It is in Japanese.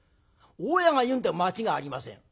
大家が言うんで間違いありません」。